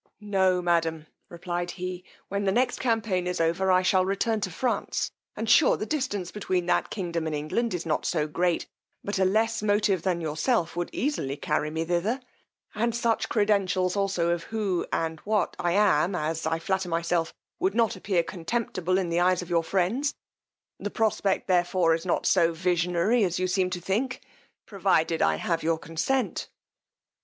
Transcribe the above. No, madam, replied he, when the next campaign is over, I shall return to France; and sure the distance between that kingdom and England is not so great, but a less motive than yourself would easily carry me thither; and such credentials also of who, and what I am, as, I flatter myself, would not appear contemptible in the eyes of your friends: the prospect therefore is not so visionary as you seem to think, provided I have your consent.